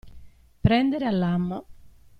Prendere all'amo.